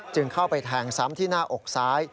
เข้าไปแทงซ้ำที่หน้าอกซ้าย